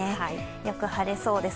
よく晴れそうです。